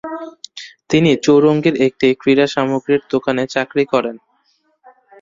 তিনি চৌরঙ্গীর একটি ক্রীড়া সামগ্রীর দোকানে চাকরি করেন।